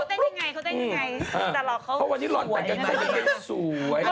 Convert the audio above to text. เพราะวันนี้หล่อนแต่งกันได้ยังเป็นสวย